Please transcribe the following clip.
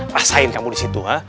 rasain kamu disitu